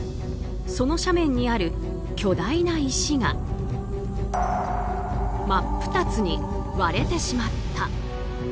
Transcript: その斜面にある巨大な石が真っ二つに割れてしまった。